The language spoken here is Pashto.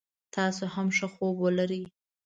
تاسو هم ښه خوب ولری